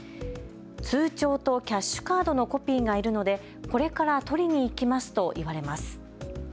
通帳とキャッシュカードのコピーがいるのでこれから取りに行きますと言われます。